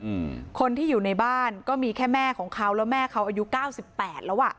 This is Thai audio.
อืมคนที่อยู่ในบ้านก็มีแค่แม่ของเขาแล้วแม่เขาอายุเก้าสิบแปดแล้วอ่ะ